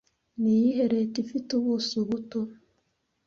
Niyihe leta ifite ubuso buto